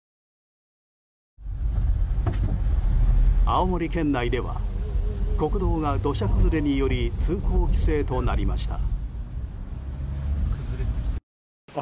青森県内では国道が土砂崩れにより通行規制となりました。